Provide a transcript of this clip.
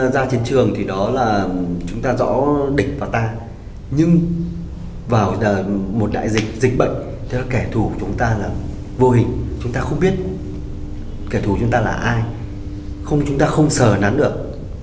ra chiến trường thì đó là chúng ta rõ địch và ta nhưng vào một đại dịch dịch bệnh theo kẻ thù của chúng ta là vô hình chúng ta không biết kẻ thù chúng ta là ai không chúng ta không sờ nắn được